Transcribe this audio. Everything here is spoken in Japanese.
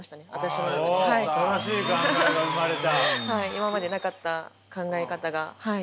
今までなかった考え方がはい。